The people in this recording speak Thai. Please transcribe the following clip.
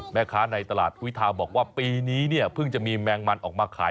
แม่ค้าในตลาดอุทาบอกว่าปีนี้เนี่ยเพิ่งจะมีแมงมันออกมาขาย